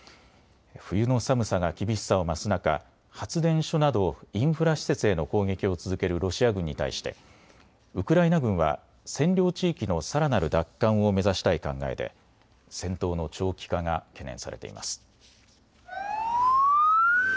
冬の寒さが厳しさを増す中、発電所などインフラ施設への攻撃を続けるロシア軍に対してウクライナ軍は占領地域のさらなる奪還を目指したい考えで戦闘の長期化が懸念されています。